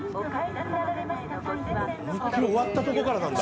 終わったとこからなんだ。